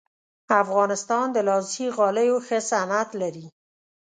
افغانستان د لاسي غالیو ښه صنعت لري